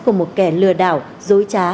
của một kẻ lừa đào dối trá